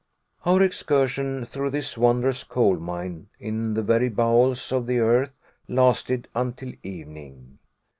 Our excursion through this wondrous coal mine in the very bowels of the earth lasted until evening.